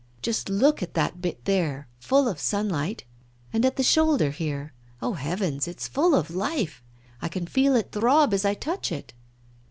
Just look at that bit there, full of sunlight. And at the shoulder here. Ah, heavens! it's full of life; I can feel it throb as I touch it.